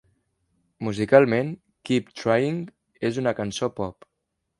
Musicalment, "Keep Tryin" és una cançó pop.